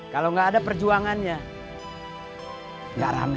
kalau gak ada perjuangannya gak rame